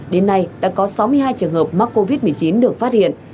đến nay đã có sáu mươi hai trường hợp mắc covid một mươi chín được phát hiện